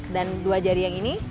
dan dua jari yang ini